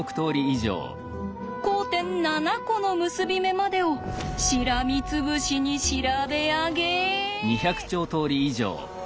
交点７コの結び目までをしらみつぶしに調べ上げ。